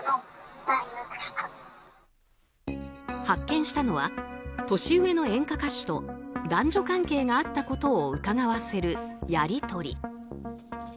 発見したのは年上の演歌歌手と男女関係があったことをうかがわせるやり取り。